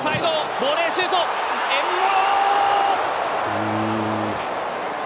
ボレーシュート、エムボロ。